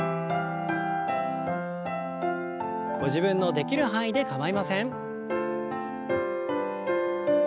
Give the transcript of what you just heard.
ご自分のできる範囲で構いません。